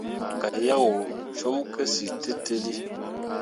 Mo gah yan wo com kǝsyiltǝlli.